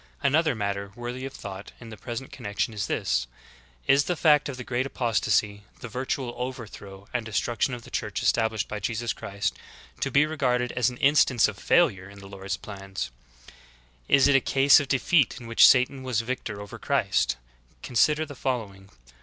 "^ 11. Another matter worthy of thought in the present connection is this : Is the fact of the great apostasy, — the virtual overthrow and destruction of the Church established by Jesus Christ, — to be regarded as an instance of failure in the Lord's plans? Is it a case of defeat in which Satan was victor over Christ? Consider the following.